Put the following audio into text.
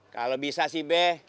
kalo bisa sih be